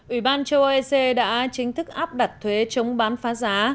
ủy ban châu âu đã chính thức áp đặt thuế chống bán phá giá